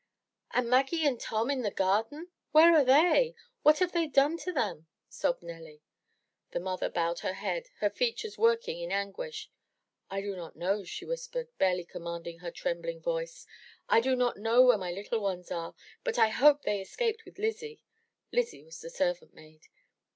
"And Maggie and Tom in the garden, where are they? What have the Indians done to them?'' sobbed Nelly. The mother bowed her head, her features working in anguish. I do not know," she whispered, barely commanding her trembling voice. "I do not know where my little ones are, but I hope they escaped with Lizzie.'' (Lizzie was the servant maid.)